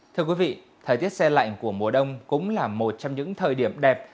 thưa quý vị thời tiết xe lạnh của mùa đông cũng là một trong những thời điểm đẹp